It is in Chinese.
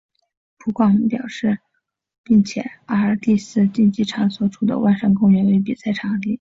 葡广并且表示阿尔蒂斯竞技场所处的万国公园为比赛场地。